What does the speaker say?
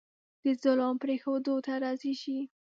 د ظلم پرېښودو ته راضي شي.